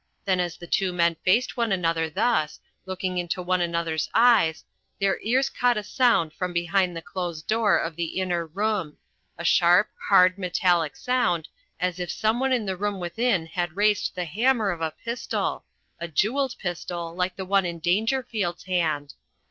Then as the two men faced one another thus, looking into one another's eyes, their ears caught a sound from behind the closed door of the inner room a sharp, hard, metallic sound as if some one in the room within had raised the hammer of a pistol a jewelled pistol like the one in Dangerfield's hand.